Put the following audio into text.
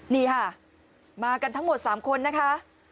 นี่ค่ะมากันทั้งหมด๓คนนะคะ